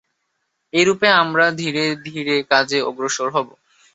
এইরূপে আমরা ধীরে ধীরে কাজে অগ্রসর হব।